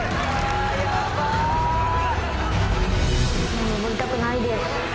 もう上りたくないです。